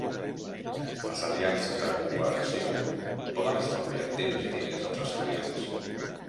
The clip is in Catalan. Les aliances de cooperació poden estalviar temps i diners als estudiants.